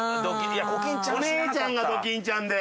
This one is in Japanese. お姉ちゃんがドキンちゃんで。